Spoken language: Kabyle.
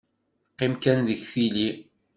Qqim kan deg tili.